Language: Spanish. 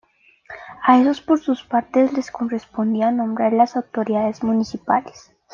A esos, por su parte, les correspondía nombrar a las autoridades municipales.